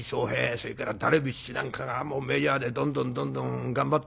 それからダルビッシュなんかがメジャーでどんどんどんどん頑張っておりますが。